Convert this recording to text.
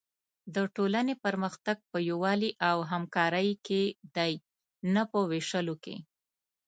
د ټولنې پرمختګ په یووالي او همکارۍ کې دی، نه په وېشلو کې.